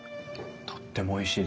とってもおいしいです。